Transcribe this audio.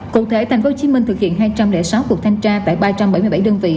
cụ thể tp hcm thực hiện hai trăm linh sáu cuộc thanh tra tại ba trăm bảy mươi bảy đơn vị